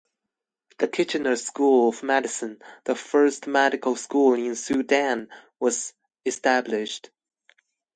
The Kitchener School of Medicine, the first medical school in Sudan, was established.